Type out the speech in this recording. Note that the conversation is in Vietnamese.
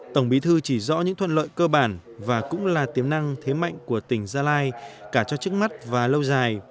tổng bí thư chỉ rõ những thuận lợi cơ bản và cũng là tiềm năng thế mạnh của tỉnh gia lai cả cho trước mắt và lâu dài